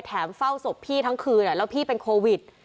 เฝ้าศพพี่ทั้งคืนแล้วพี่เป็นโควิด